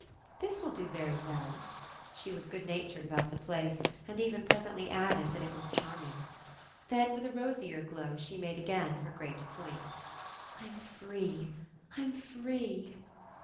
This will do very well" she was good natured about the place and even presently added that it was charming. Then with a rosier glow she made again her great point: "I'm free, I'm free!"